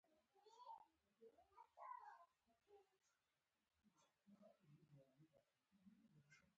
د کروندګرو مالوماتي روزنه د محصول کیفیت لوړوي.